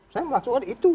saya melaksukkan itu